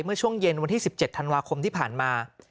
เมื่อช่วงเย็นวันที่๑๗ธันวาคมที่ผ่านมา